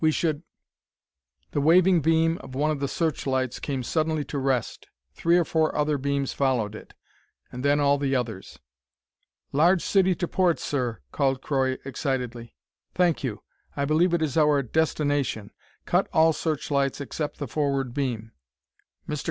We should The waving beam of one of the searchlights came suddenly to rest. Three or four other beams followed it and then all the others. "Large city to port, sir!" called Croy excitedly. "Thank you. I believe it is our destination. Cut all searchlights except the forward beam. Mr.